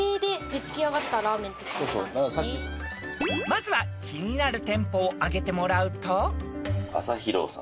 ［まずは気になる店舗を挙げてもらうと］